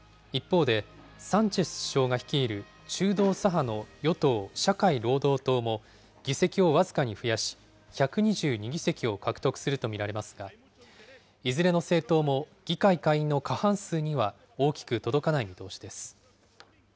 一方で、が中道左派の与党・社会労働党も議席を僅かに増やし、１２２議席を獲得すると見られますが、いずれの政党も議会下院の過半数には大きく届かない見通しです。